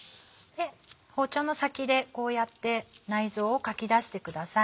包丁の先でこうやって内臓をかき出してください。